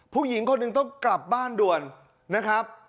ผู้หญิงคนหนึ่งต้องกลับบ้านด่วนนะครับ